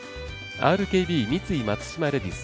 ＲＫＢ×三井松島レディス。